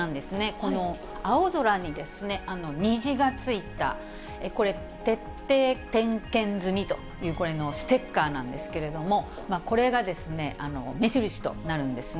この青空に虹がついたこれ、徹底点検済という、これのステッカーなんですけれども、これが目印となるんですね。